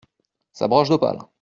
Sa broche d'opale !